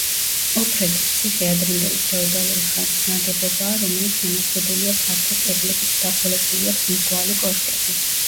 ოფრეთის ციხე ადრინდელი ფეოდალური ხანის ნაგებობაა, რომელიც შემოზღუდულია ფართო კედლებით, დაყოლებული აქვს მრგვალი კოშკები.